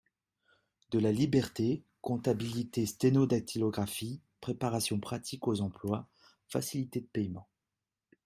de la Liberté, comptabilité sténo-dactylographie, préparation pratique aux emplois, facilités de payement.